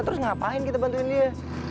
terus ngapain kita bantuin dia